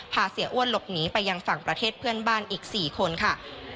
เสียอ้วนหลบหนีไปยังฝั่งประเทศเพื่อนบ้านอีก๔คนค่ะ